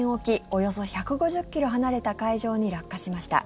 およそ１５０ｋｍ離れた海上に落下しました。